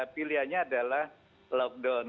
pilihannya adalah lockdown